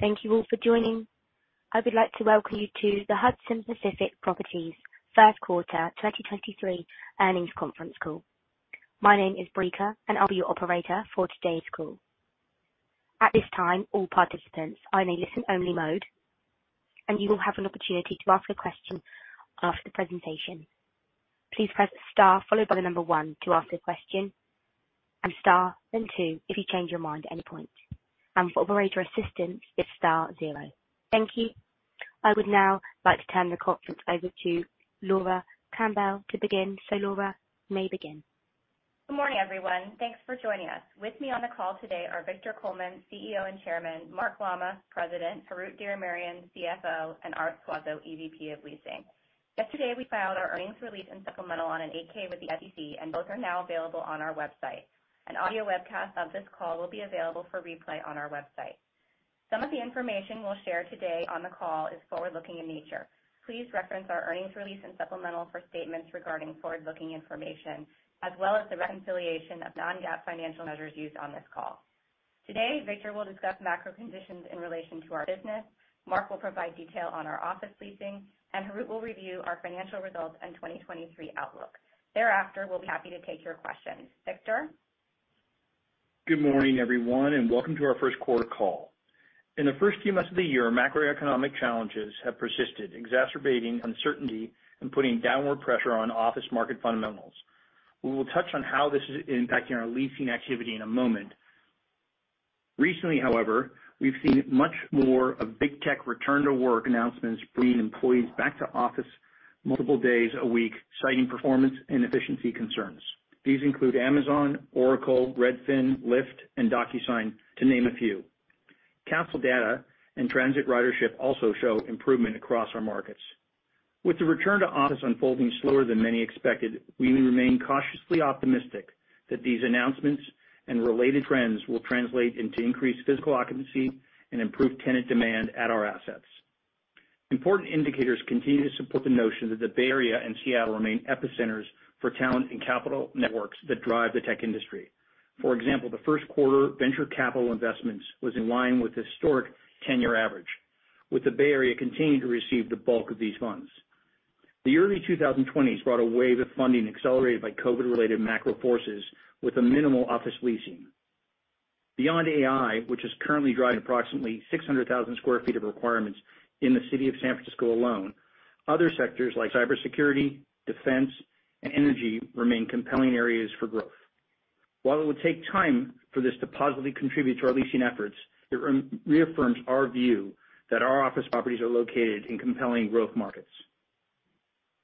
Thank you all for joining. I would like to welcome you to the Hudson Pacific Properties First Quarter 2023 Earnings Conference Call. My name is Brica and I'll be your operator for today's call. At this time, all participants are in a listen only mode, and you will have an opportunity to ask a question after the presentation. Please press star followed by one to ask a question, and star then two, if you change your mind at any point. And for operator assistance, it's star zero. Thank you. I would now like to turn the conference over to Laura Campbell to begin. Laura, you may begin. Good morning, everyone. Thanks for joining us. With me on the call today are Victor Coleman, CEO and Chairman, Mark Lammas, President, Harout Diramerian, CFO, and Art Suazo, EVP of Leasing. Yesterday, we filed our earnings release and supplemental on an 8-K with the SEC. Both are now available on our website. An audio webcast of this call will be available for replay on our website. Some of the information we'll share today on the call is forward-looking in nature. Please reference our earnings release and supplemental for statements regarding forward-looking information, as well as the reconciliation of non-GAAP financial measures used on this call. Today, Victor will discuss macro conditions in relation to our business, Mark will provide detail on our office leasing. Harout will review our financial results and 2023 outlook. Thereafter, we'll be happy to take your questions. Victor? Good morning, everyone, and welcome to our 1st quarter call. In the first few months of the year, macroeconomic challenges have persisted, exacerbating uncertainty and putting downward pressure on office market fundamentals. We will touch on how this is impacting our leasing activity in a moment. Recently, however, we've seen much more of big tech return to work announcements, bringing employees back to office multiple days a week, citing performance and efficiency concerns. These include Amazon, Oracle, Redfin, Lyft, and DocuSign, to name a few. Council data and transit ridership also show improvement across our markets. With the return to office unfolding slower than many expected, we remain cautiously optimistic that these announcements and related trends will translate into increased physical occupancy and improved tenant demand at our assets. Important indicators continue to support the notion that the Bay Area and Seattle remain epicenters for talent and capital networks that drive the tech industry. For example, the 1st quarter venture capital investments was in line with historic 10-year average, with the Bay Area continuing to receive the bulk of these funds. The early 2020s brought a wave of funding accelerated by COVID-related macro forces with a minimal office leasing. Beyond AI, which has currently drive approximately 600,000 sq ft of requirements in the city of San Francisco alone, other sectors like cybersecurity, defense, and energy remain compelling areas for growth. While it would take time for this to positively contribute to our leasing efforts, it reaffirms our view that our office properties are located in compelling growth markets.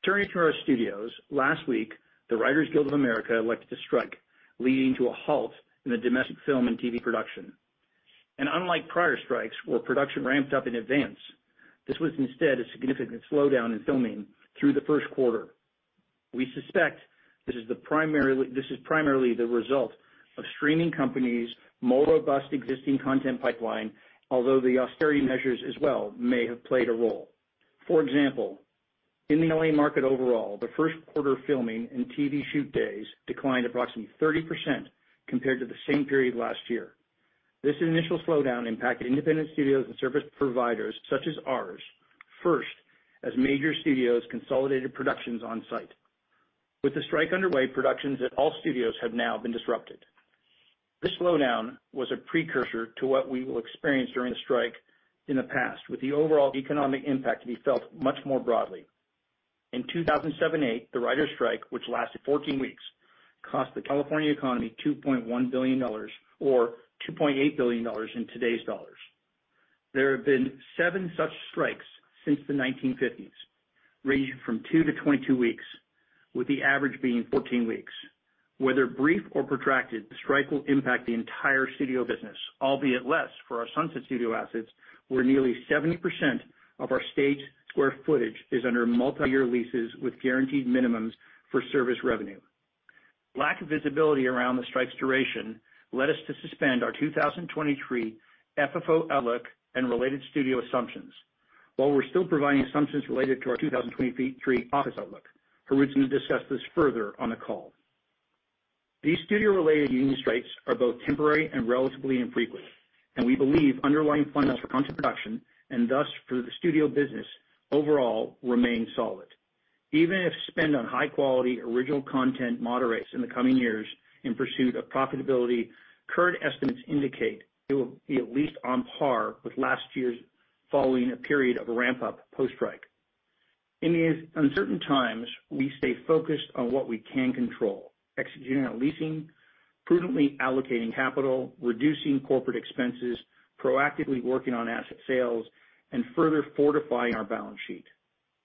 Turning to our studios, last week, the Writers Guild of America elected to strike, leading to a halt in the domestic film and TV production. Unlike prior strikes, where production ramped up in advance, this was instead a significant slowdown in filming through the 1st quarter. We suspect this is primarily the result of streaming companies' more robust existing content pipeline, although the austerity measures as well may have played a role. For example, in the L.A. market overall, the 1st quarter filming and TV shoot days declined approximately 30% compared to the same period last year. This initial slowdown impacted independent studios and service providers such as ours, first as major studios consolidated productions on site. With the strike underway, productions at all studios have now been disrupted. This slowdown was a precursor to what we will experience during the strike in the past, with the overall economic impact to be felt much more broadly. In 2007-2008, the Writers' strike, which lasted 14 weeks, cost the California economy $2.1 billion or $2.8 billion in today's dollars. There have been seven such strikes since the 1950s, ranging from two to 22 weeks, with the average being 14 weeks. Whether brief or protracted, the strike will impact the entire studio business, albeit less for our Sunset studio assets, where nearly 70% of our state square footage is under multi-year leases with guaranteed minimums for service revenue. Lack of visibility around the strike's duration led us to suspend our 2023 FFO outlook and related studio assumptions. While we're still providing assumptions related to our 2023 office outlook, Harout's going to discuss this further on the call. These studio related union strikes are both temporary and relatively infrequent, and we believe underlying fundamentals for content production and thus for the studio business overall remain solid. Even if spend on high quality original content moderates in the coming years in pursuit of profitability, current estimates indicate it will be at least on par with last year's following a period of ramp up post-strike. In these uncertain times, we stay focused on what we can control, executing on leasing, prudently allocating capital, reducing corporate expenses, proactively working on asset sales, and further fortifying our balance sheet.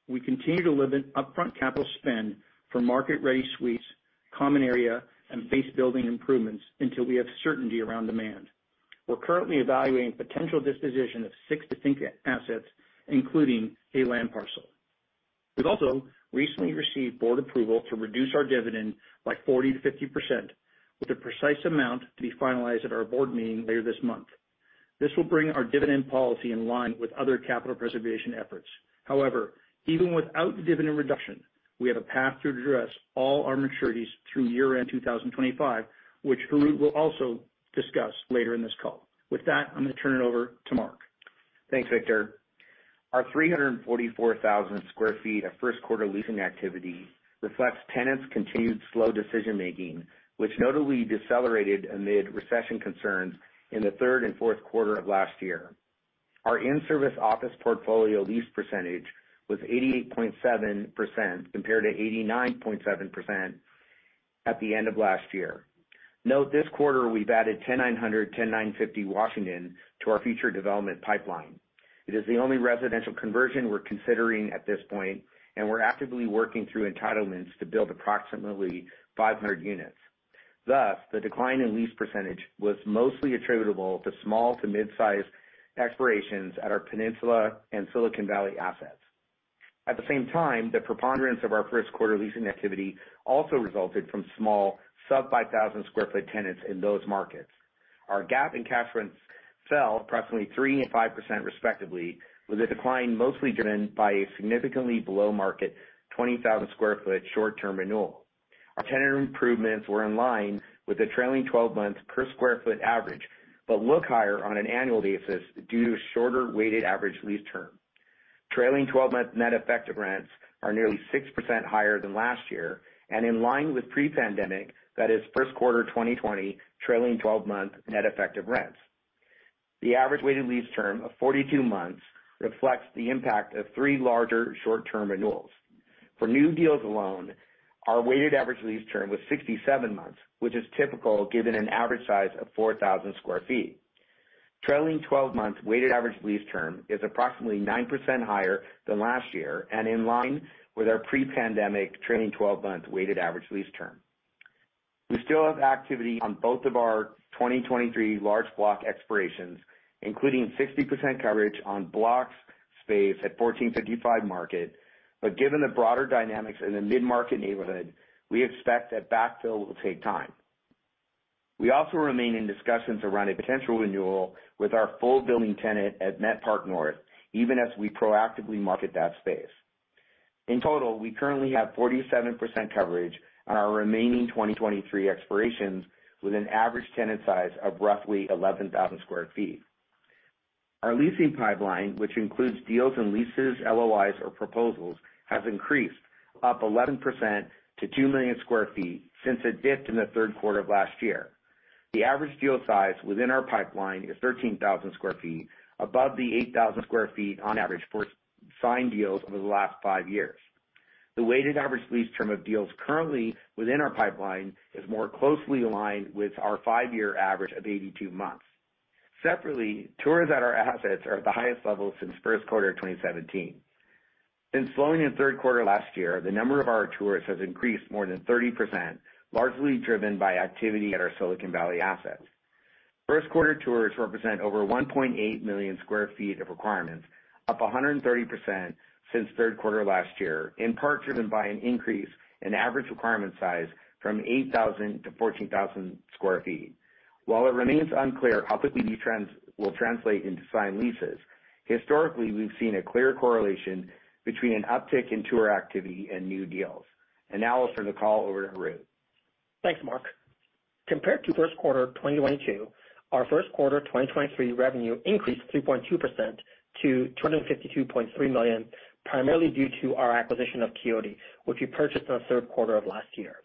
We continue to limit upfront capital spend for market ready suites, common area, and base building improvements until we have certainty around demand. We're currently evaluating potential disposition of six distinct assets, including a land parcel. We've also recently received board approval to reduce our dividend by 40%-50%, with a precise amount to be finalized at our board meeting later this month. This will bring our dividend policy in line with other capital preservation efforts. However, even without the dividend reduction, we have a path to address all our maturities through year-end 2025, which Harout will also discuss later in this call. I'm gonna turn it over to Mark. Thanks, Victor. Our 344,000 sq ft of 1st quarter leasing activity reflects tenants' continued slow decision making, which notably decelerated amid recession concerns in the 3rd quarter and 4th quarter of last year. Our in-service office portfolio lease percentage was 88.7%, compared to 89.7% at the end of last year. Note this quarter we've added 10900, 10950 Washington to our future development pipeline. It is the only residential conversion we're considering at this point, and we're actively working through entitlements to build approximately 500 units. The decline in lease percentage was mostly attributable to small to mid-size expirations at our Peninsula and Silicon Valley assets. At the same time, the preponderance of our 1st quarter leasing activity also resulted from small sub-5,000 sq ft tenants in those markets. Our gap in cash rents fell approximately 3% and 5% respectively, with a decline mostly driven by a significantly below market 20,000 sq ft short-term renewal. Our tenant improvements were in line with the trailing 12 months per square foot average, but look higher on an annual basis due to a shorter weighted average lease term. Trailing 12-month net effective rents are nearly 6% higher than last year and in line with pre-pandemic, that is 1st quarter 2020 trailing 12-month net effective rents. The average weighted lease term of 42 months reflects the impact of three larger short-term renewals. For new deals alone, our weighted average lease term was 67 months, which is typical given an average size of 4,000 sq ft. Trailing twelve-month weighted average lease term is approximately 9% higher than last year and in line with our pre-pandemic trailing twelve-month weighted average lease term. We still have activity on both of our 2023 large block expirations, including 60% coverage on block space at 1455 Market. Given the broader dynamics in the mid-market neighborhood, we expect that backfill will take time. We also remain in discussions around a potential renewal with our full building tenant at Met Park North, even as we proactively market that space. In total, we currently have 47% coverage on our remaining 2023 expirations with an average tenant size of roughly 11,000 sq ft. Our leasing pipeline, which includes deals and leases, LOIs or proposals, has increased up 11% to two million sq ft since it dipped in 3rd quarter of last year. The average deal size within our pipeline is 13,000 sq ft above the 8,000 sq ft on average for signed deals over the last five years. The weighted average lease term of deals currently within our pipeline is more closely aligned with our five-year average of 82 months. Separately, tours at our assets are at the highest level since 1st quarter of 2017. Since slowing in the 3rd quarter last year, the number of our tours has increased more than 30%, largely driven by activity at our Silicon Valley assets. First quarter tours represent over 1.8 million sq ft of requirements, up 130% since 3rd quarter last year, in part driven by an increase in average requirement size from 8,000 sq ft to 14,000 sq ft. While it remains unclear how quickly these trends will translate into signed leases, historically, we've seen a clear correlation between an uptick in tour activity and new deals. Now I'll turn the call over to Harout. Thanks, Mark. Compared to 1st quarter 2022, 1st quarter 2023 revenue increased 3.2% to $252.3 million, primarily due to our acquisition of Quixote, which we purchased in the 3rd quarter of last year.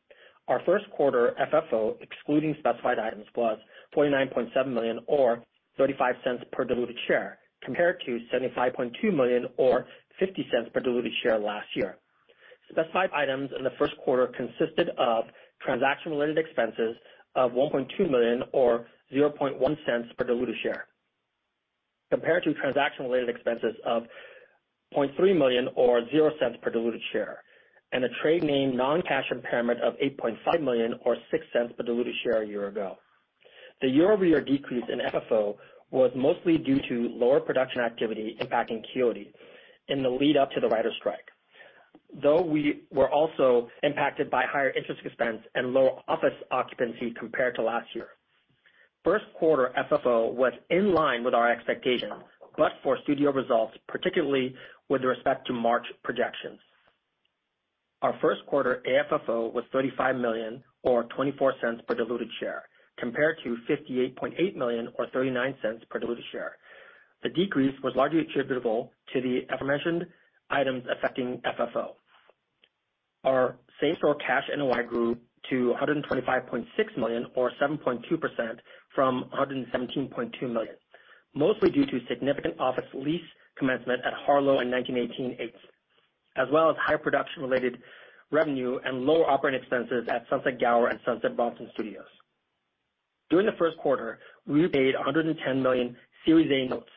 1st quarter FFO, excluding specified items, was $29.7 million or $0.35 per diluted share, compared to $75.2 million or $0.50 per diluted share last year. Specified items in the 1st quarter consisted of transaction related expenses of $1.2 million or $0.1 per diluted share, compared to transaction related expenses of $0.3 million or $0.00 per diluted share, and a trade name non-cash impairment of $8.5 million or $0.06 per diluted share a year ago. The year-over-year decrease in FFO was mostly due to lower production activity impacting Quixote in the lead-up to the Writer strike. We were also impacted by higher interest expense and lower office occupancy compared to last year. First quarter FFO was in line with our expectations, but for studio results, particularly with respect to March projections. Our 1st quarter AFFO was $35 million or $0.24 per diluted share compared to $58.8 million or $0.39 per diluted share. The decrease was largely attributable to the aforementioned items affecting FFO. Our same-store cash NOI grew to $125.6 million or 7.2% from $117.2 million. Mostly due to significant office lease commencement at Harlow in 1918 Eighth, as well as higher production related revenue and lower operating expenses at Sunset Gower and Sunset Bronson Studios. During the first quarter, we repaid $110 million Series A notes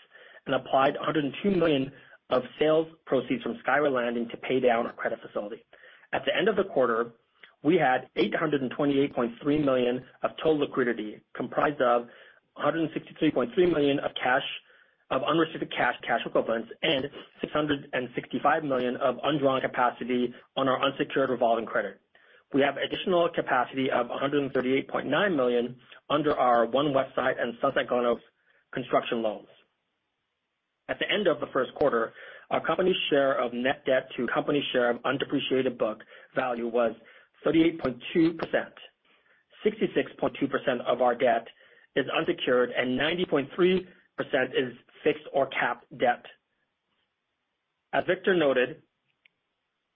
and applied $102 million of sales proceeds from Skyway Landing to pay down our credit facility. At the end of the quarter, we had $828.3 million of total liquidity, comprised of $163.3 million of cash, of unreceived cash equivalents, and $665 million of undrawn capacity on our unsecured revolving credit. We have additional capacity of $138.9 million under our One Westside and Sunset Gower construction loans. At the end of the 1st quarter, our company's share of net debt to company share of undepreciated book value was 38.2%. 66.2% of our debt is unsecured and 90.3% is fixed or capped debt. As Victor noted,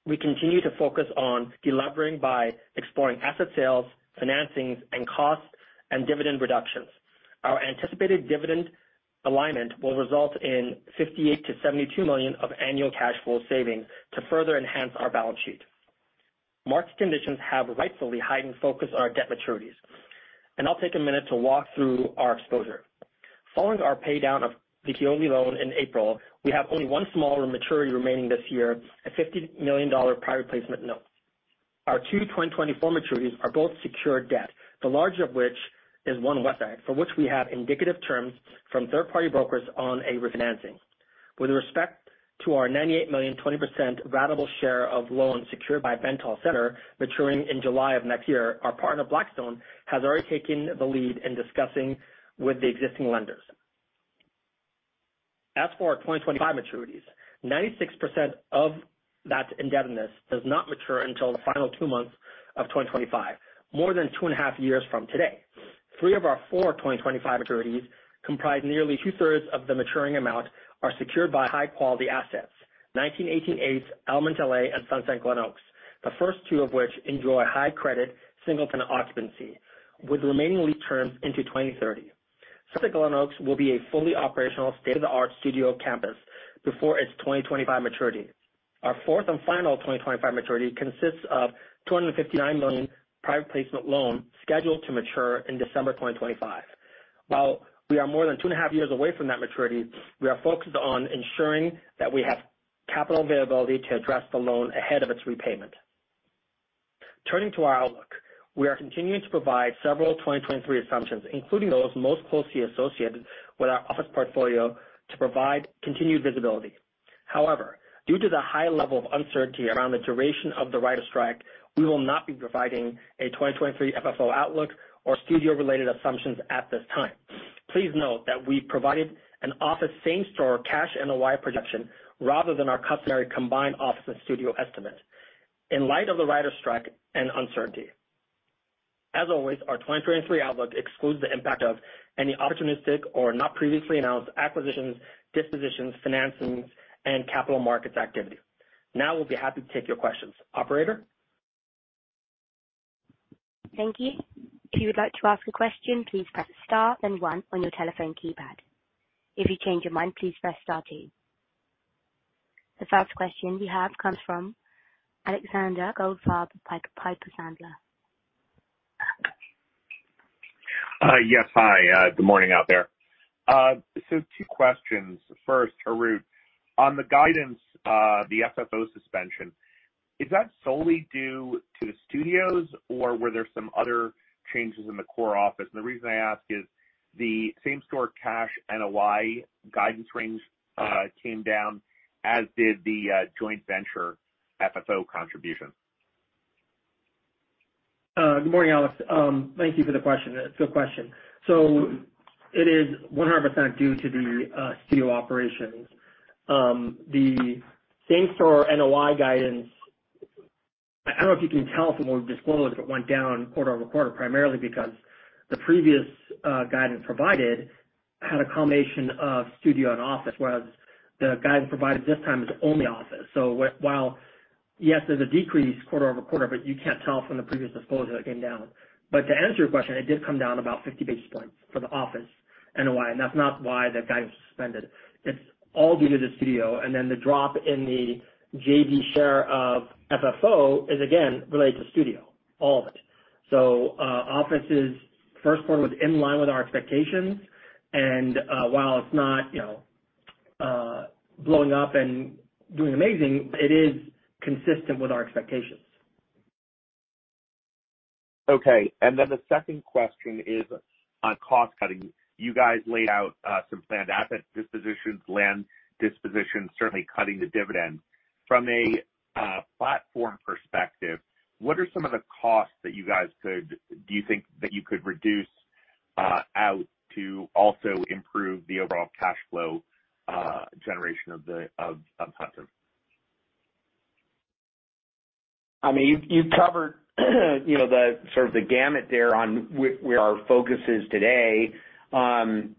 we continue to focus on delevering by exploring asset sales, financings, and cost and dividend reductions. Our anticipated dividend alignment will result in $58 million-$72 million of annual cash flow savings to further enhance our balance sheet. Market conditions have rightfully heightened focus on our debt maturities. I'll take a minute to walk through our exposure. Following our pay down of the Quixote loan in April, we have only one smaller maturity remaining this year, a $50 million private placement note. Our two 2024 maturities are both secured debt, the larger of which is One Westside, for which we have indicative terms from third-party brokers on a refinancing. With respect to our $98 million 20% ratable share of loans secured by Bentall Center maturing in July of next year, our partner, Blackstone, has already taken the lead in discussing with the existing lenders. As for our 2025 maturities, 96% of that indebtedness does not mature until the final two months of 2025, more than two and a half years from today. Three of our four 2025 maturities comprise nearly 2/3 of the maturing amount are secured by high-quality assets. 1918 Eighth's Element L.A. and Sunset Glenoaks, the first two of which enjoy high credit, singleton occupancy with remaining lease terms into 2030. Sunset Glenoaks will be a fully operational state-of-the-art studio campus before its 2025 maturity. Our fourth and final 2025 maturity consists of $259 million private placement loan scheduled to mature in December 2025. While we are more than two and a half years away from that maturity, we are focused on ensuring that we have capital availability to address the loan ahead of its repayment. Turning to our outlook, we are continuing to provide several 2023 assumptions, including those most closely associated with our office portfolio to provide continued visibility. However, due to the high level of uncertainty around the duration of the Writers' strike, we will not be providing a 2023 FFO outlook or studio-related assumptions at this time. Please note that we provided an office same-store cash NOI projection rather than our customary combined office and studio estimate in light of the Writers' strike and uncertainty. As always, our 2023 outlook excludes the impact of any opportunistic or not previously announced acquisitions, dispositions, financings, and capital markets activity. We'll be happy to take your questions. Operator? Thank you. If you would like to ask a question, please press star then one on your telephone keypad. If you change your mind, please press star two. The first question we have comes from Alexander Goldfarb, Piper Sandler. Yes. Hi, good morning out there. Two questions. First, Harout. On the guidance, the FFO suspension, is that solely due to the studios or were there some other changes in the core office? The reason I ask is the same-store cash NOI guidance range came down, as did the joint venture FFO contribution. Good morning, Alex. Thank you for the question. It's a good question. It is 100% due to the studio operations. The same-store NOI guidance, I don't know if you can tell from what we've disclosed, but went down quarter-over-quarter, primarily because the previous guidance provided had a combination of studio and office, whereas the guidance provided this time is only office. While, yes, there's a decrease quarter-over-quarter, but you can't tell from the previous disclosure it came down. To answer your question, it did come down about 50 basis points for the office NOI. That's not why that guidance was suspended. It's all due to the studio. The drop in the JV share of FFO is again related to studio, all of it. Office is first one was in line with our expectations and, while it's not, you know, blowing up and doing amazing, it is consistent with our expectations. Okay. The second question is on cost cutting. You guys laid out some planned asset dispositions, land dispositions, certainly cutting the dividend. From a platform perspective, what are some of the costs that you guys do you think that you could reduce out to also improve the overall cash flow generation of Hudson? I mean, you've covered, you know, the sort of the gamut there on where our focus is today. You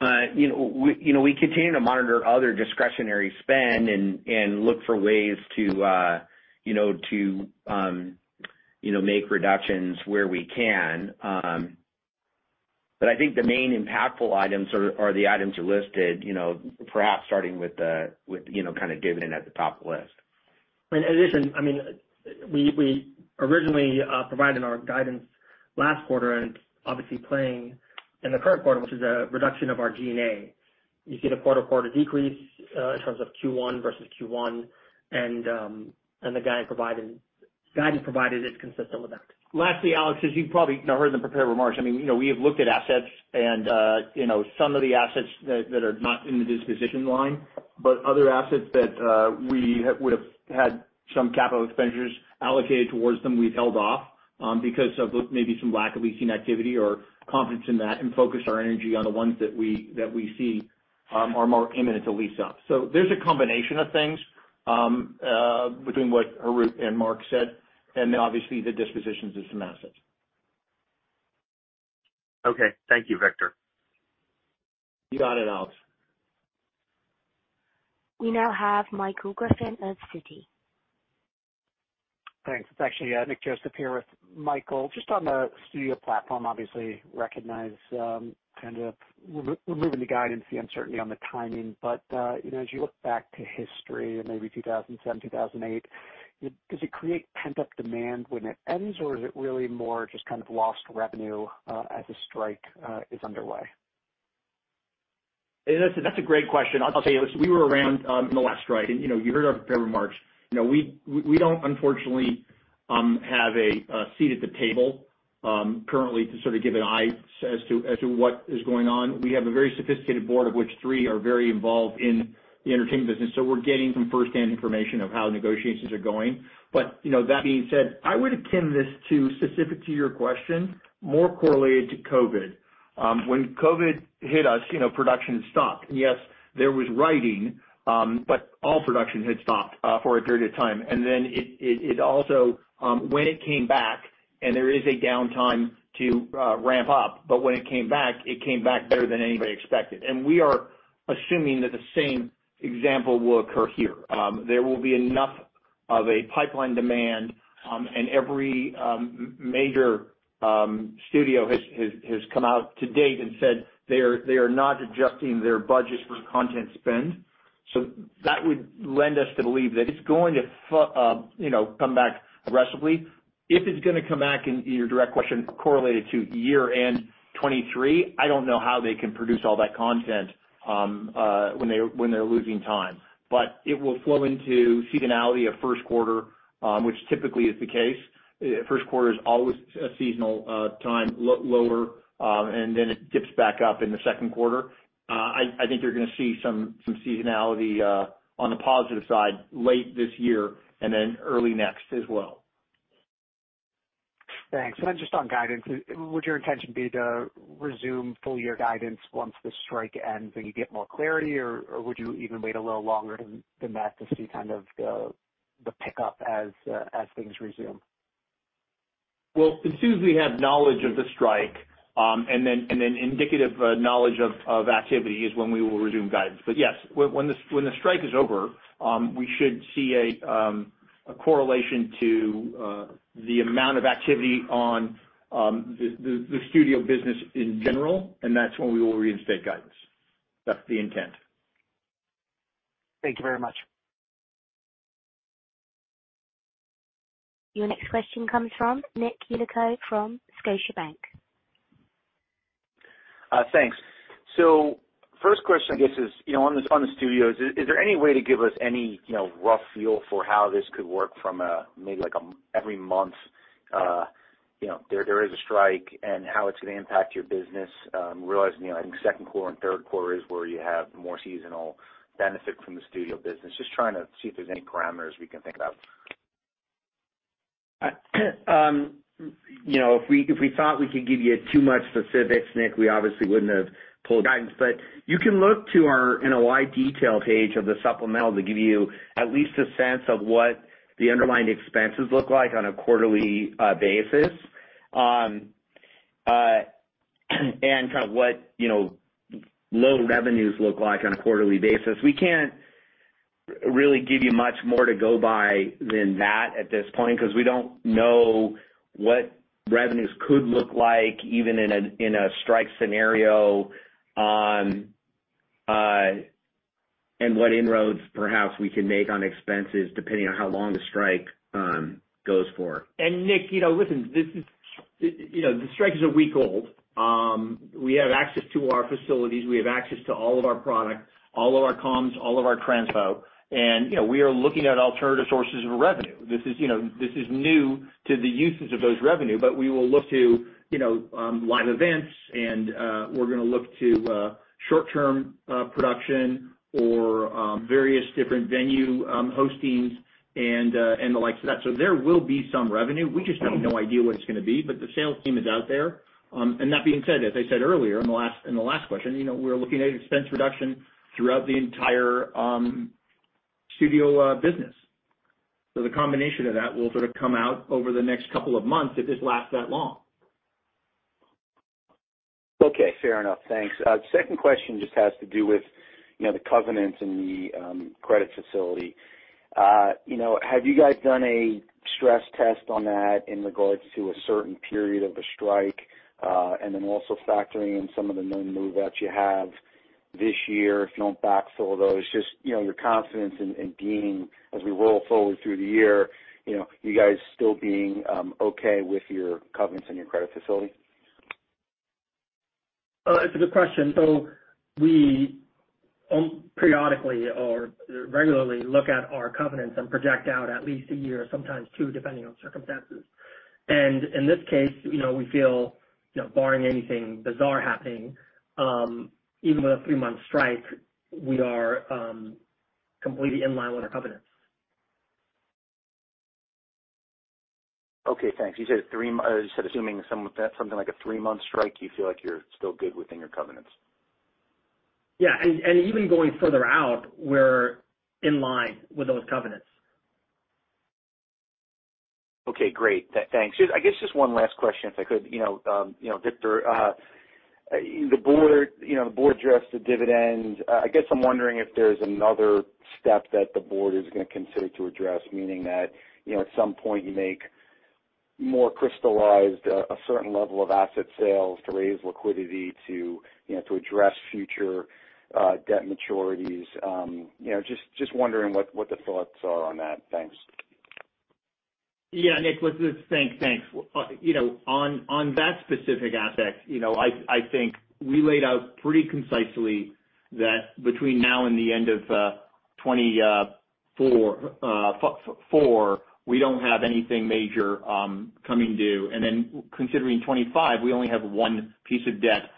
know, we, you know, we continue to monitor other discretionary spend and look for ways to, you know, to, you know, make reductions where we can. I think the main impactful items are the items you listed, you know, perhaps starting with, you know, kind of dividend at the top of the list. In addition, I mean, we originally provided our guidance last quarter and obviously playing in the current quarter, which is a reduction of our G&A. You see the quarter-over-quarter decrease in terms of Q1 versus Q1, and the guidance provided is consistent with that. Lastly, Alex, as you've probably, you know, heard in the prepared remarks, I mean, you know, we have looked at assets and, you know, some of the assets that are not in the disposition line, but other assets that we would have had some capital expenditures allocated towards them, we've held off, because of maybe some lack of leasing activity or confidence in that and focus our energy on the ones that we see are more imminent to lease up. There's a combination of things, between what Harout and Mark said, and then obviously the dispositions of some assets. Okay. Thank you, Victor. You got it, Alex. We now have Michael Griffin of Citi. Thanks. It's actually Nick Joseph here with Michael. Just on the studio platform, obviously recognize, kind of removing the guidance, the uncertainty on the timing. You know, as you look back to history in maybe 2007, 2008, does it create pent-up demand when it ends, or is it really more just kind of lost revenue, as the strike is underway? That's a great question. I'll tell you, listen, we were around in the last strike and, you know, you heard our remarks. You know, we don't unfortunately have a seat at the table currently to sort of give an eye as to what is going on. We have a very sophisticated board, of which three are very involved in the entertainment business. We're getting some firsthand information of how negotiations are going. You know, that being said, I would akin this to, specific to your question, more correlated to COVID. When COVID hit us, you know, production stopped. Yes, there was writing, but all production had stopped for a period of time. Then it also, when it came back, and there is a downtime to ramp up, but when it came back, it came back better than anybody expected. We are assuming that the same example will occur here. There will be enough of a pipeline demand, and every major studio has come out to date and said they are not adjusting their budgets for content spend. That would lend us to believe that it's going to, you know, come back aggressively. If it's gonna come back, and to your direct question, correlated to year-end 2023, I don't know how they can produce all that content, when they're losing time. It will flow into seasonality of 1st quarter, which typically is the case. First quarter is always a seasonal, time, lower, and then it dips back up in the 2nd quarter. I think you're gonna see some seasonality on the positive side late this year and then early next as well. Thanks. Then just on guidance, would your intention be to resume full year guidance once the strike ends and you get more clarity, or would you even wait a little longer than that to see kind of the pickup as things resume? As soon as we have knowledge of the strike, and then indicative knowledge of activity is when we will resume guidance. Yes, when the strike is over, we should see a correlation to the amount of activity on the studio business in general, and that's when we will reinstate guidance. That's the intent. Thank you very much. Your next question comes from Nick Yulico from Scotiabank. Thanks. First question, I guess is, you know, on the studios, is there any way to give us any, you know, rough feel for how this could work from a maybe like every month, you know, there is a strike and how it's going to impact your business, realizing, you know, I think 2nd quarter and 3rd quarter is where you have more seasonal benefit from the studio business? Just trying to see if there's any parameters we can think about. You know, if we thought we could give you too much specifics, Nick, we obviously wouldn't have pulled guidance. You can look to our in a wide detail page of the supplemental to give you at least a sense of what the underlying expenses look like on a quarterly basis, and kind of what, you know, low revenues look like on a quarterly basis. We can't really give you much more to go by than that at this point because we don't know what revenues could look like even in a strike scenario, and what inroads perhaps we can make on expenses depending on how long the strike goes for. And Nick, you know, listen, this is, you know, the strike is a week old. We have access to our facilities. We have access to all of our product, all of our comms, all of our transpo. You know, we are looking at alternative sources of revenue. This is, you know, this is new to the uses of those revenue, but we will look to, you know, live events and we're gonna look to short-term production or various different venue hostings and the likes of that. There will be some revenue. We just have no idea what it's gonna be. The sales team is out there. That being said, as I said earlier in the last question, you know, we're looking at expense reduction throughout the entire studio business. The combination of that will sort of come out over the next couple of months if this lasts that long. Okay. Fair enough. Thanks. Second question just has to do with, you know, the covenants in the credit facility. You know, have you guys done a stress test on that in regards to a certain period of the strike? Then also factoring in some of the known moves that you have this year if you don't backfill those. Just, you know, your confidence in Dean as we roll forward through the year, you know, you guys still being okay with your covenants and your credit facility? It's a good question. We periodically or regularly look at our covenants and project out at least a year, sometimes two, depending on circumstances. In this case, you know, we feel, you know, barring anything bizarre happening, even with a three months strike, we are completely in line with our covenants. Okay, thanks. You said assuming some of that, something like a three-month strike, you feel like you're still good within your covenants? Yeah. Even going further out, we're in line with those covenants. Okay, great. Thanks. Just, I guess just one last question, if I could. You know, you know, Victor, the board, you know, the board addressed the dividend. I guess I'm wondering if there's another step that the board is gonna consider to address, meaning that, you know, at some point you make more crystallized, a certain level of asset sales to raise liquidity to, you know, to address future, debt maturities. You know, just wondering what the thoughts are on that. Thanks. Yeah, Nick, let's just Thanks. you know, on that specific aspect, you know, I think we laid out pretty concisely that between now and the end of 2024, we don't have anything major coming due. Considering 2025, we only have one piece of debt.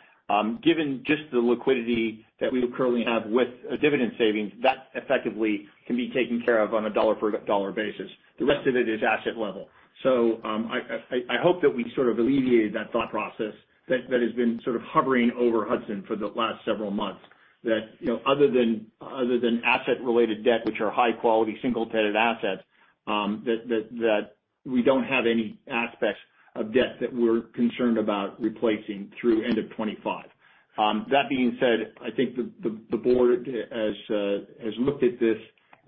Given just the liquidity that we currently have with a dividend savings, that effectively can be taken care of on a dollar for dollar basis. The rest of it is asset level. I hope that we sort of alleviated that thought process that has been sort of hovering over Hudson for the last several months that, you know, other than asset-related debt, which are high quality single-tenant assets, that we don't have any aspects of debt that we're concerned about replacing through end of 2025. That being said, I think the board has looked at this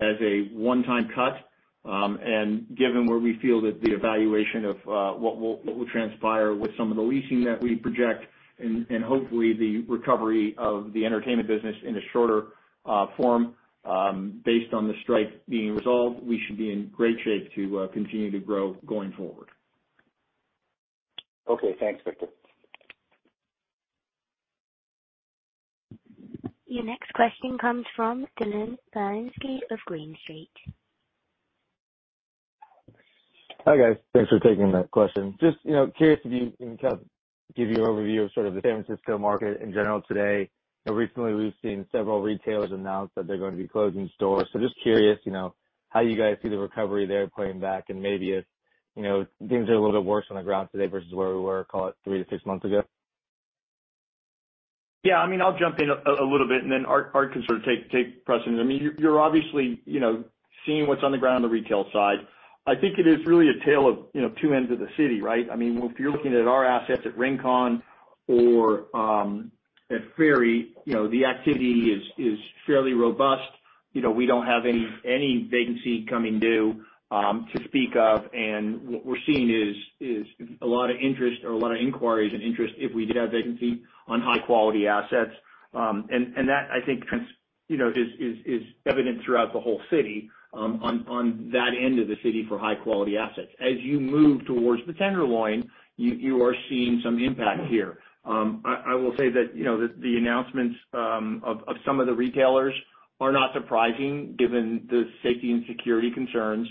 as a one-time cut, and given where we feel that the evaluation of what will transpire with some of the leasing that we project and hopefully the recovery of the entertainment business in a shorter form, based on the strike being resolved, we should be in great shape to continue to grow going forward. Okay, thanks, Victor. Your next question comes from Dylan Burzinski of Green Street. Hi, guys. Thanks for taking that question. Just, you know, curious if you can kind of give your overview of sort of the San Francisco market in general today. You know, recently we've seen several retailers announce that they're gonna be closing stores. Just curious, you know, how you guys see the recovery there playing back and maybe if, you know, things are a little bit worse on the ground today versus where we were, call it three to six months ago? Yeah, I mean, I'll jump in a little bit and then Harout can sort of take precedent. I mean, you're obviously, you know, seeing what's on the ground on the retail side. I think it is really a tale of, you know, two ends of the city, right? I mean, if you're looking at our assets at Rincon or at Ferry, you know, the activity is fairly robust. You know, we don't have any vacancy coming due to speak of. What we're seeing is a lot of interest or a lot of inquiries and interest if we did have vacancy on high quality assets. That I think you know is evident throughout the whole city on that end of the city for high quality assets. As you move towards the Tenderloin, you are seeing some impact here. I will say that, you know, the announcements of some of the retailers are not surprising given the safety and security concerns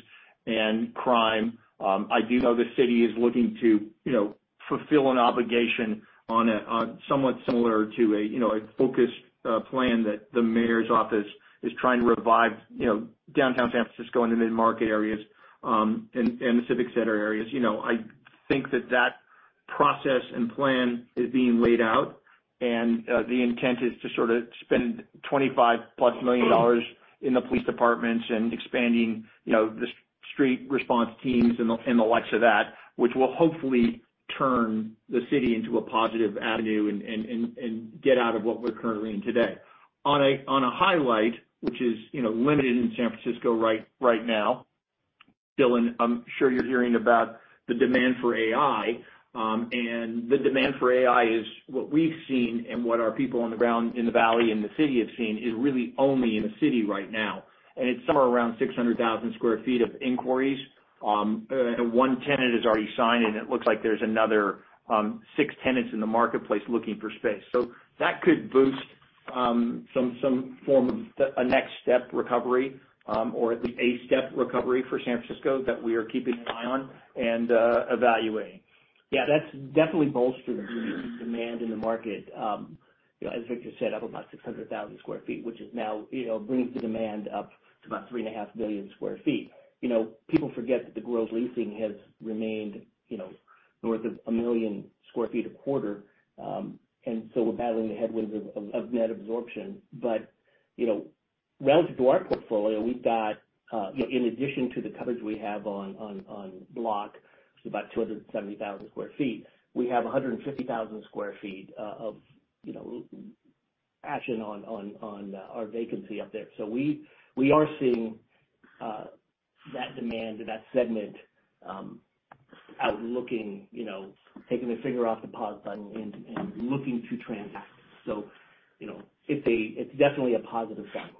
and crime. I do know the city is looking to, you know, fulfill an obligation on somewhat similar to a, you know, a focused plan that the mayor's office is trying to revive, you know, downtown San Francisco in the mid-market areas and the civic center areas. You know, I think that that process and plan is being laid out and the intent is to sort of spend $25 plus million in the police departments and expanding, you know, the street response teams and the likes of that, which will hopefully turn the city into a positive avenue and get out of what we're currently in today. On a highlight, which is, you know, limited in San Francisco right now, Dylan, I'm sure you're hearing about the demand for AI, and the demand for AI is what we've seen and what our people on the ground in the valley and the city have seen is really only in the city right now. It's somewhere around 600,000 sq ft of inquiries, one tenant has already signed, and it looks like there's another, six tenants in the marketplace looking for space. That could boost some form of a next step recovery, or at least a step recovery for San Francisco that we are keeping an eye on and evaluating. Yeah, that's definitely bolstered the demand in the market, you know, as Victor said, up about 600,000 sq ft, which is now, you know, brings the demand up to about three and a half million square feet. You know, people forget that the gross leasing has remained, you know, north of million square feet a quarter. We're battling the headwinds of net absorption. Relative to our portfolio, we've got, you know, in addition to the coverage we have on block, so about 270,000 sq ft, we have 150,000 sq ft of, you know, action on our vacancy up there. We are seeing that demand in that segment, outlooking, you know, taking their finger off the pause button and looking to transact. You know, it's definitely a positive sign.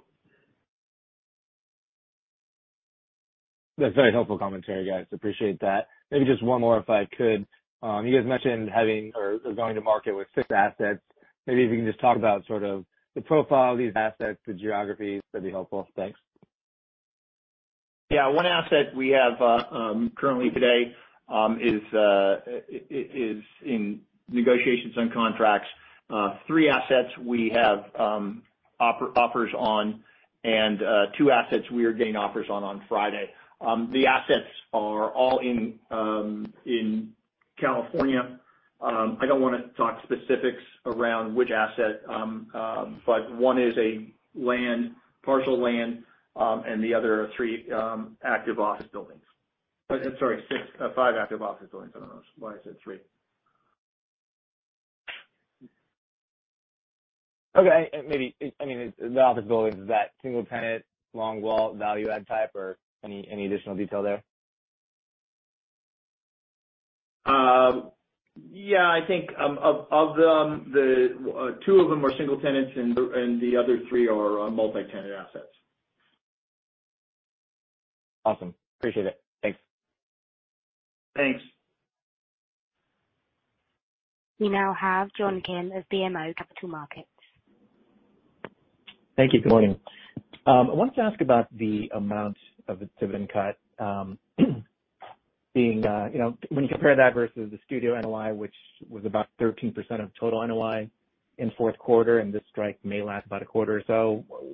That's very helpful commentary, guys. Appreciate that. Maybe just one more if I could. You guys mentioned having or going to market with fixed assets. Maybe if you can just talk about sort of the profile of these assets, the geographies, that'd be helpful. Thanks. One asset we have, currently today, is in negotiations on contracts. Three assets we have, offers on, and two assets we are getting offers on on Friday. The assets are all in, California. I don't wanna talk specifics around which asset, one is a partial land, and the other three active office buildings. Sorry, six... five active office buildings. I don't know why I said three. Okay. Maybe, I mean, the office buildings, is that single tenant, long wall, value add type, or any additional detail there? Yeah. I think of them, the two of them are single tenants and the other three are multi-tenant assets. Awesome, appreciate it. Thanks. Thanks. We now have John Kim of BMO Capital Markets. Thank you. Good morning. I wanted to ask about the amount of the dividend cut, being, you know, when you compare that versus the studio NOI, which was about 13% of total NOI in 4th quarter, and this strike may last about a quarter.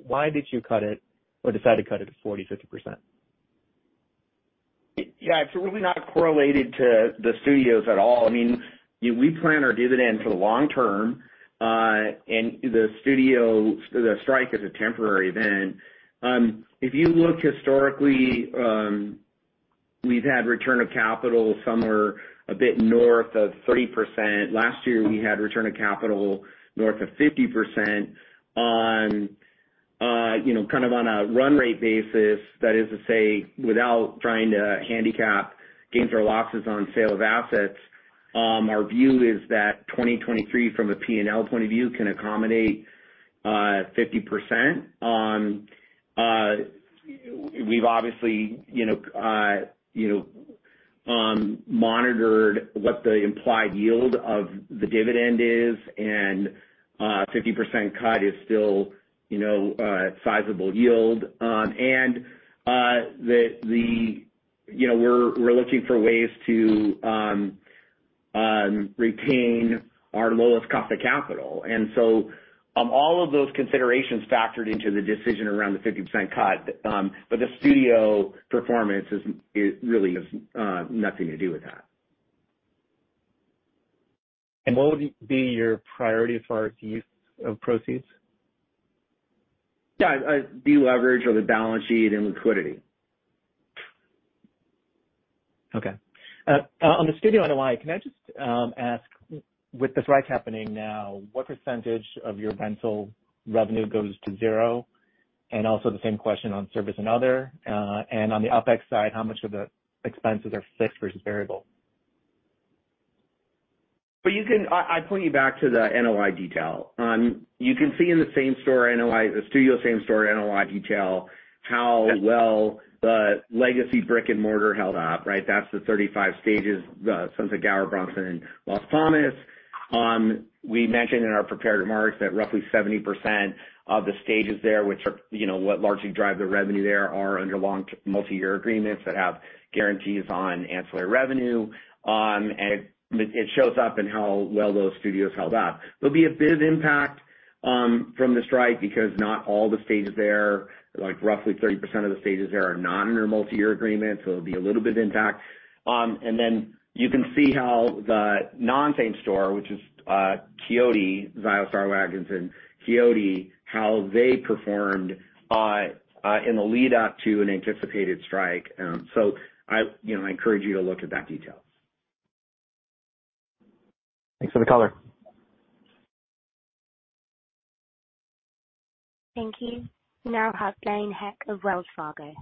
Why did you cut it or decide to cut it to 40%, 50%? Yeah, it's really not correlated to the studios at all. I mean, we plan our dividend for the long term, and the strike is a temporary event. If you look historically, we've had return of capital somewhere a bit north of 30%. Last year, we had return of capital north of 50% on, you know, kind of on a run rate basis. That is to say, without trying to handicap gains or losses on sale of assets, our view is that 2023 from a P&L point of view, can accommodate 50%. We've obviously, you know, you know, monitored what the implied yield of the dividend is. 50% cut is still, you know, a sizable yield. You know, we're looking for ways to retain our lowest cost of capital. All of those considerations factored into the decision around the 50% cut. The studio performance is, really has nothing to do with that. What would be your priority for use of proceeds? Yeah. Deleverage of the balance sheet and liquidity. Okay. On the studio NOI, can I just ask, with the strikes happening now, what percentage of your rental revenue goes to zero? The same question on service and other. On the OPEX side, how much of the expenses are fixed versus variable? You can point you back to the NOI detail. You can see in the same store NOI, the studio same store NOI detail, how well the legacy brick and mortar held up, right? That's the 35 stages, the Sunset Gower, Bronson, and Los Angeles. We mentioned in our prepared remarks that roughly 70% of the stages there, which are, you know, what largely drive the revenue there, are under multi-year agreements that have guarantees on ancillary revenue. It shows up in how well those studios held up. There'll be a bit of impact from the strike because not all the stages there, like, roughly 30% of the stages there are not under multi-year agreements, it'll be a little bit of impact. Then you can see how the non-same store, which is, Quixote, Star Waggons, and Quixote, how they performed, in the lead up to an anticipated strike. I, you know, I encourage you to look at that detail. Thanks for the color. Thank you. We now have Blaine Heck of Wells Fargo.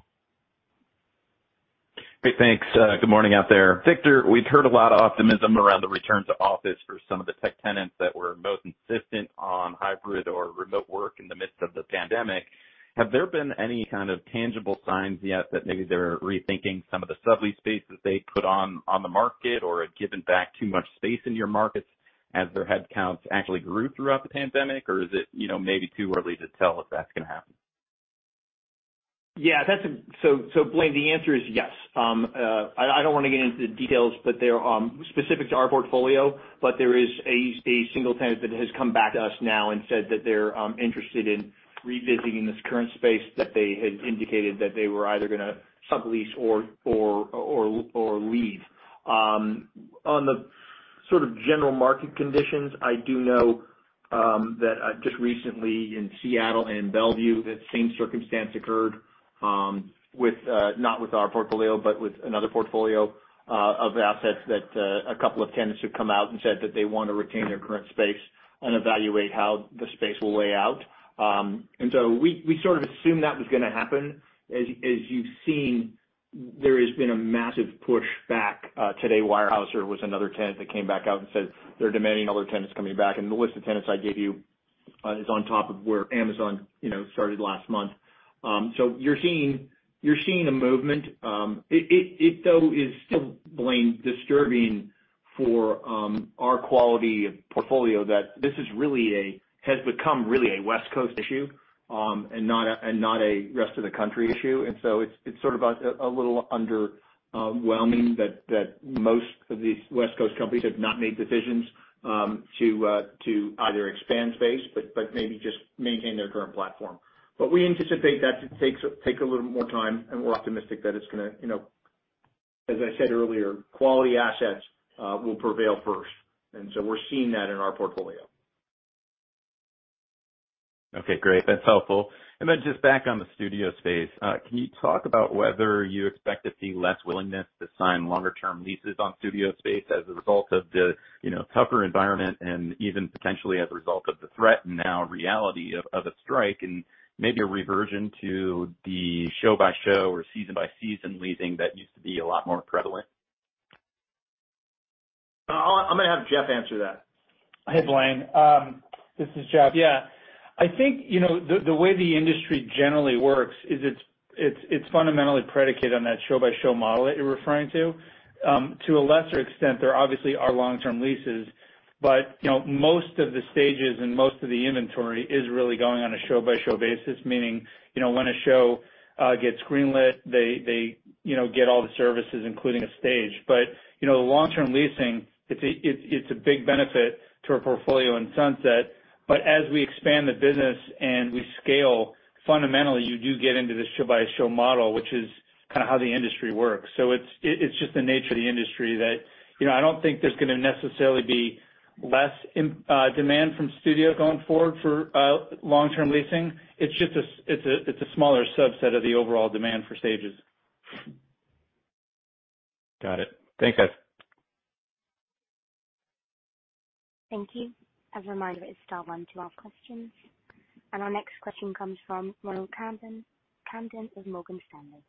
Great. Thanks. good morning out there. Victor, we've heard a lot of optimism around the return to office for some of the tech tenants that were most insistent on hybrid or remote work in the midst of the pandemic. Have there been any kind of tangible signs yet that maybe they're rethinking some of the sublease space that they put on the market or have given back too much space in your markets as their headcounts actually grew throughout the pandemic? Or is it, you know, maybe too early to tell if that's gonna happen? That's Blaine, the answer is yes. I don't wanna get into the details, but there are specific to our portfolio, but there is a single tenant that has come back to us now and said that they're interested in revisiting this current space, that they had indicated that they were either gonna sublease or leave. On the sort of general market conditions, I do know that just recently in Seattle and Bellevue, that same circumstance occurred with not with our portfolio, but with another portfolio of assets that a couple of tenants have come out and said that they wanna retain their current space and evaluate how the space will lay out. We sort of assumed that was gonna happen. As you've seen, there has been a massive push back. Today, Weyerhaeuser was another tenant that came back out and said they're demanding other tenants coming back. The list of tenants I gave you is on top of where Amazon, you know, started last month. So you're seeing a movement. It though is still, Blaine, disturbing for our quality of portfolio that this really has become really a West Coast issue and not a rest of the country issue. It's sort of a little underwhelming that most of these West Coast companies have not made decisions to either expand space, but maybe just maintain their current platform. We anticipate that to take a little more time, and we're optimistic that it's gonna, you know, as I said earlier, quality assets will prevail first, and so we're seeing that in our portfolio. Okay, great. That's helpful. Then just back on the studio space. Can you talk about whether you expect to see less willingness to sign longer term leases on studio space as a result of the, you know, tougher environment and even potentially as a result of the threat and now reality of a strike and maybe a reversion to the show by show or season by season leasing that used to be a lot more prevalent? I'm gonna have Jeff answer that. Hey, Blaine. This is Jeff. Yeah, I think, you know, the way the industry generally works is it's fundamentally predicated on that show by show model that you're referring to. To a lesser extent, there obviously are long-term leases, but you know, most of the stages and most of the inventory is really going on a show by show basis. Meaning, you know, when a show gets green lit, they, you know, get all the services, including a stage. You know, the long-term leasing it's a big benefit to our portfolio in Sunset. As we expand the business and we scale, fundamentally, you do get into this show by show model, which is kind of how the industry works. It's just the nature of the industry that. You know, I don't think there's gonna necessarily be less demand from studio going forward for long-term leasing. It's just a smaller subset of the overall demand for stages. Got it. Thanks, guys. Thank you. As a reminder, it's star one to ask questions. Our next question comes from Ronald Kamdem with Morgan Stanley.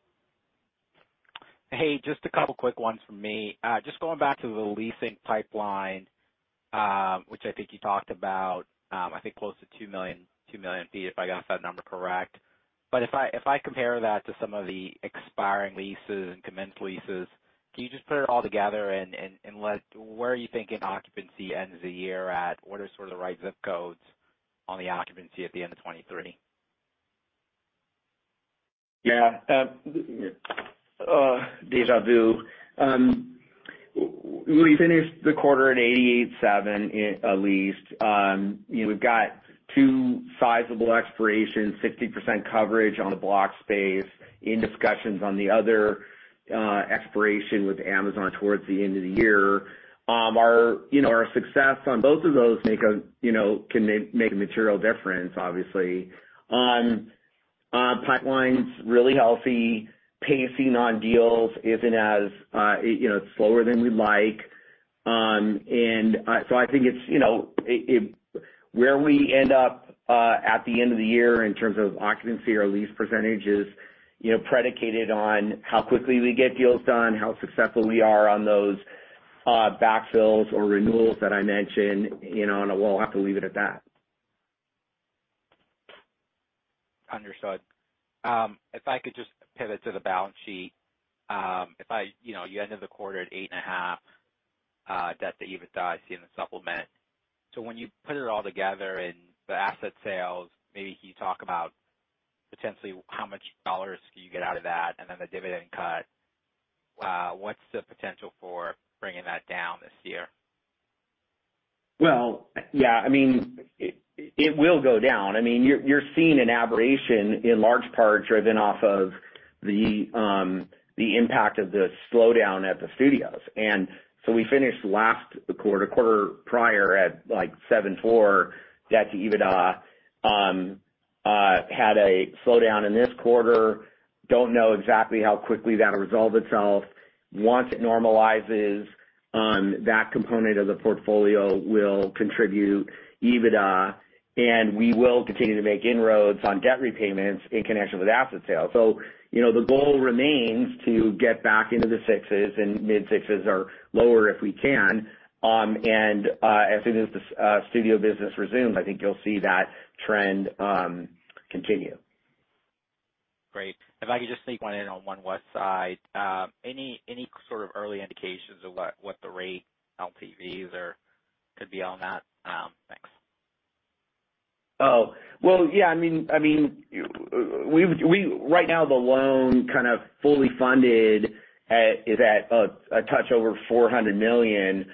Hey, just a couple quick ones from me. Just going back to the leasing pipeline, which I think you talked about, I think close to two million feet, if I got that number correct. If I compare that to some of the expiring leases and commenced leases, can you just put it all together and let where are you thinking occupancy ends the year at? What are sort of the right zip codes on the occupancy at the end of 2023? Yeah. Deja vu. We finished the quarter at 88.7% leased. You know, we've got two sizable expirations, 60% coverage on the block space in discussions on the other expiration with Amazon towards the end of the year. Our, you know, our success on both of those make a, you know, can make a material difference obviously. Pipeline's really healthy. Pacing on deals isn't as, you know, slower than we'd like. I think it's, you know, it where we end up at the end of the year in terms of occupancy or lease percentage is, you know, predicated on how quickly we get deals done, how successful we are on those backfills or renewals that I mentioned, you know, and we'll have to leave it at that. Understood. If I could just pivot to the balance sheet. If I, you know, you ended the quarter at 8.5 debt to EBITDA I see in the supplement. When you put it all together and the asset sales, maybe can you talk about potentially how much dollars can you get out of that and then the dividend cut? What's the potential for bringing that down this year? Well, yeah, I mean, it will go down. I mean, you're seeing an aberration in large part driven off of the impact of the slowdown at the studios. We finished last quarter prior at like 7.4 debt to EBITDA. Had a slowdown in this quarter. Don't know exactly how quickly that'll resolve itself. Once it normalizes, that component of the portfolio will contribute EBITDA, and we will continue to make inroads on debt repayments in connection with asset sales. You know, the goal remains to get back into the six's and mid-six's or lower if we can. As soon as the studio business resumes, I think you'll see that trend continue. Great. If I could just sneak one in on one west side. Any sort of early indications of what the rate LTVs could be on that? Thanks. Well, yeah, I mean, I mean, right now the loan kind of fully funded at, is at a touch over $400 million.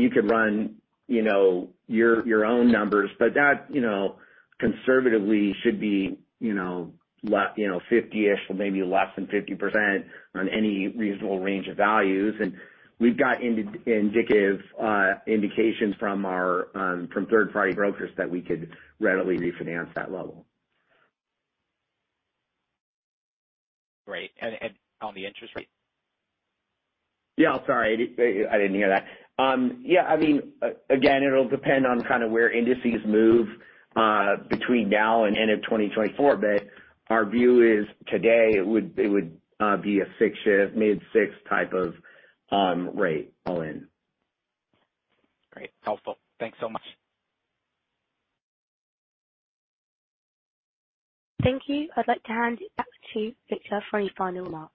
You could run your own numbers, but that conservatively should be 50-ish or maybe less than 50% on any reasonable range of values. We've got indicative indications from our from third-party brokers that we could readily refinance that level. Great. On the interest rate? Yeah, sorry, I didn't hear that. Yeah, I mean, again, it'll depend on kind of where indices move between now and end of 2024. Our view is today it would be a six-ish, mid-six type of rate all in. Great. Helpful. Thanks so much. Thank you. I'd like to hand it back to Victor for any final remarks.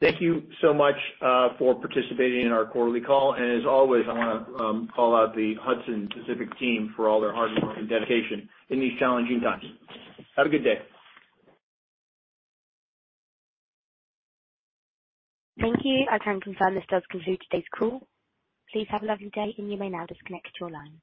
Thank you so much for participating in our quarterly call. As always, I wanna call out the Hudson Pacific team for all their hard work and dedication in these challenging times. Have a good day. Thank you. I can confirm this does conclude today's call. Please have a lovely day, and you may now disconnect your line.